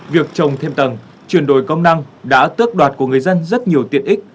việc trồng thêm tầng chuyển đổi công năng đã tước đoạt của người dân rất nhiều tiện ích